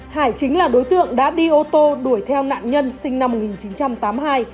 hải chính là đối tượng đã đi ô tô đuổi theo nạn nhân sinh năm một nghìn chín trăm tám mươi hai